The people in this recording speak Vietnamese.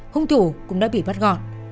hùng thủ cũng đã bị bắt gọn